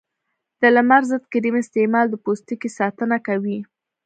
د لمر ضد کریم استعمال د پوستکي ساتنه کوي.